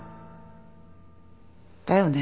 だよね。